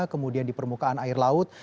kemudian di permukaan air laut